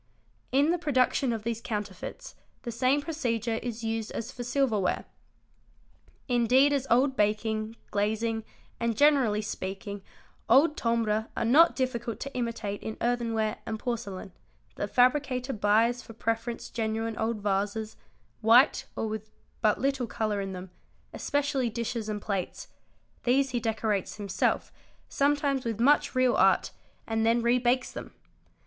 In the production of these counterfeits the same procedure is used as for silverware. Indeed as old baking, glazing, and generally speaking old "timbre" are not difficult to imitate in earthenware and porcelain, the fabricator buys for preference genuine old vases, white or with but little colour in them, especially dishes and plates; these he decorates himself, sometimes with much real art, and then rebakes them.